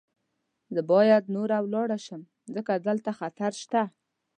زه باید نوره ولاړه شم، ځکه دلته خطر شته.